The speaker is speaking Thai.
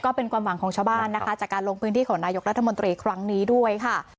ก็เป็นความหวังของชาวบ้านนะคะจากการลงพื้นที่ของนายกรัฐมนตรีครั้งนี้ด้วยค่ะ